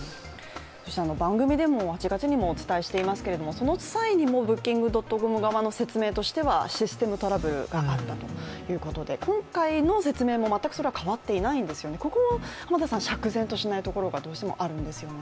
番組でも８月にもお伝えしていますけれど、その際にもＢｏｏｋｉｎｇ．ｃｏｍ側の説明としてはシステムトラブルがあったということで今回の説明も全く変わっていないんですよね、ここは釈然としないところがどうしてもあるんですよね。